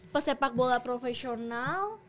dua puluh pesepak bola profesional